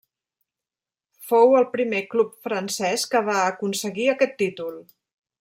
Fou el primer club francès que va aconseguir aquest títol.